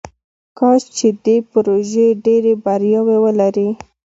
کاش چې دې پروژې ډیرې بریاوې ولري.